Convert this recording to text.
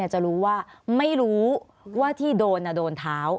จะรู้ว่าไม่รู้ว่าที่โดนโดนเท้า